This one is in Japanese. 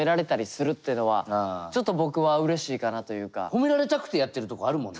褒められたくてやってるとこあるもんね。